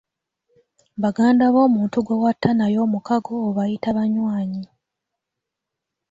Baganda b'omuntu gwe watta naye omukago obayita banywanyi.